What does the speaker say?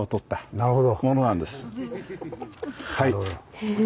なるほど。